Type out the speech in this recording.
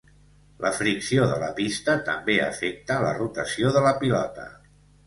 La fricció de la pista també afecta a la rotació de la pilota.